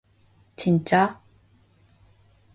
진짜?